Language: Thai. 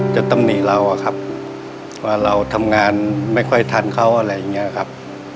ตำหนิเราอะครับว่าเราทำงานไม่ค่อยทันเขาอะไรอย่างนี้ครับ